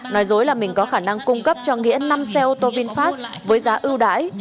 nói dối là mình có khả năng cung cấp cho nghĩa năm xe ô tô vinfast với giá ưu đãi